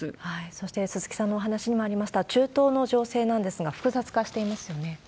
そして、鈴木さんのお話にもありました中東の情勢なんですが、複雑化していますよね。